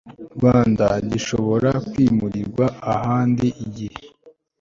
Rwanda Gishobora kwimurirwa ahandi igihe